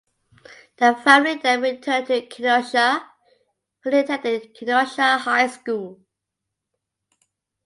The family then returned to Kenosha, where he attended Kenosha High School.